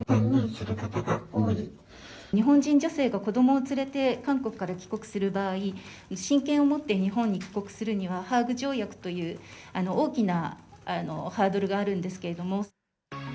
子どもを置いて帰ってこなければいけないケースがあり、泣く日本人女性が子どもを連れて韓国から帰国する場合、親権を持って日本に帰国するには、ハーグ条約という大きなハードルがあるんですけども。